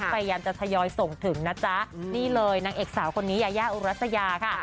พยายามจะทยอยส่งถึงนะจ๊ะนี่เลยนางเอกสาวคนนี้ยายาอุรัสยาค่ะ